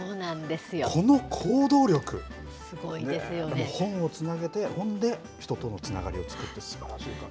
この行動力本をつなげて、読んで人とのつながりを作るすばらしい。